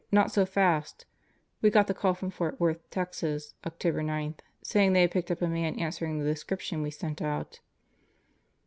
Not so fast. We got the call fftnk God Worth, Texas, October 9, saying they had picked up a m'd still swering the description we sent out.